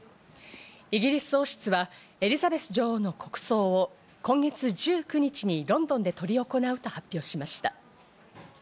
イギリス王室はエリザベス女王の国葬を今月１９日にロンドンで執り行うと発表しました。